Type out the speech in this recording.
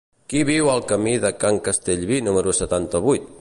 Qui viu al camí de Can Castellví número setanta-vuit?